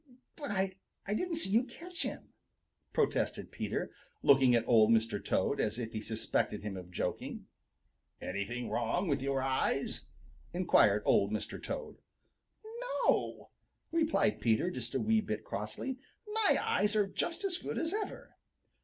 "But I didn't see you catch him!" protested Peter, looking at Old Mr. Toad as if he suspected him of joking. "Anything wrong with your eyes?" inquired Old Mr. Toad. "No," replied Peter just a wee bit crossly. "My eyes are just as good as ever."